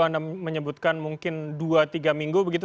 anda menyebutkan mungkin dua tiga minggu begitu